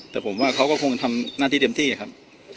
แต่ผมว่าเขาก็คงทำหน้าที่เต็มที่ครับ